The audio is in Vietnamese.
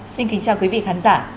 xin kính chào quý vị khán giả